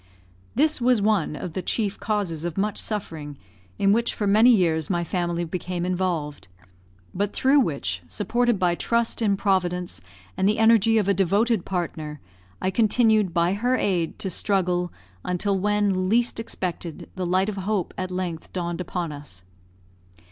This was one of the chief causes of much suffering, in which for many years my family became involved; but through which, supported by trust in Providence, and the energy of a devoted partner, I continued by her aid to struggle, until when least expected, the light of hope at length dawned upon us.